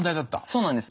そうなんです。